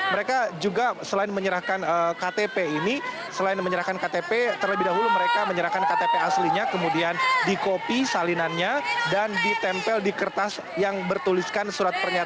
mereka juga selain menyerahkan ktp ini selain menyerahkan ktp terlebih dahulu mereka menyerahkan ktp aslinya kemudian dikopi salinannya dan ditempel di kertas yang bertuliskan surat pernyataan